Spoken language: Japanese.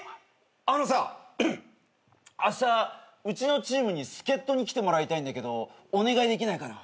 あのさあしたうちのチームに助っ人に来てもらいたいんだけどお願いできないかな？